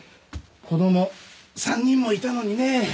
子供３人もいたのにねぇ。